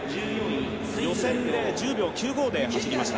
予選で１０秒９５で走りました。